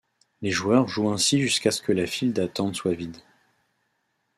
Les joueurs jouent ainsi jusqu'à ce que la file d'attente soit vide.